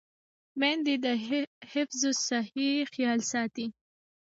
میندې د حفظ الصحې خیال ساتي.